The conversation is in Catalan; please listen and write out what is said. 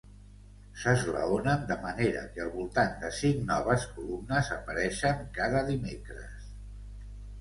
S'esglaonen de manera que al voltant de cinc noves columnes apareixen cada dimecres.